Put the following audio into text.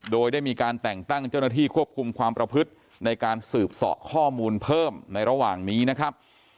โดยได้มีการแต่งตั้งเจ้าหน้าที่ควบคุมความประพฤติในการสืบเสาะข้อมูลเพิ่มในระหว่างนี้นะครับ